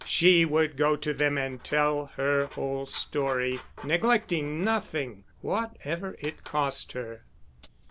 She would go to them and tell her whole story, neglecting nothing, whatever it cost her.